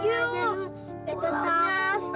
gue sudah ber keys